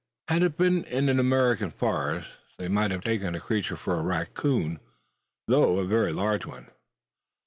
Had it been in an American forest, they might have taken the creature for a racoon though a very large one.